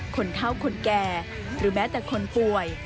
คนเท่าคนแก่หรือแม้แต่คนป่วย